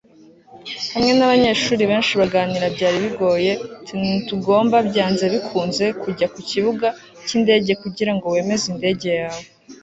Hamwe nabanyeshuri benshi baganira byari bigoye tNtugomba byanze bikunze kujya ku kibuga cyindege kugirango wemeze indege yawe